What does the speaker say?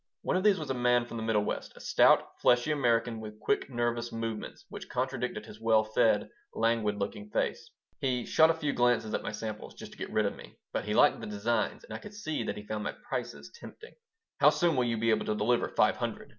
One of these was a man from the Middle West, a stout, fleshy American with quick, nervous movements which contradicted his well fed, languid looking face He shot a few glances at my samples, just to get rid of me, but he liked the designs, and I could see that he found my prices tempting "How soon will you be able to deliver five hundred?"